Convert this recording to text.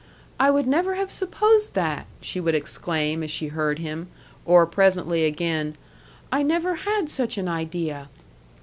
"I would never have supposed that!" she would exclaim as she heard him; or, presently again, "I never had such an idea!"